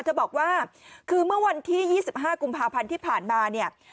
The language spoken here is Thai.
เธอบอกว่าคือเมื่อวันที่๒๕กุมภาพันธ์ที่ผ่านมาเนี่ย